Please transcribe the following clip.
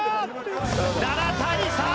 ７対３。